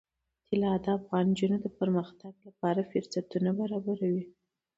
طلا د افغان نجونو د پرمختګ لپاره فرصتونه برابروي.